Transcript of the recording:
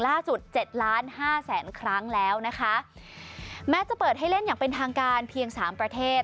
เจ็ดล้านห้าแสนครั้งแล้วนะคะแม้จะเปิดให้เล่นอย่างเป็นทางการเพียงสามประเทศ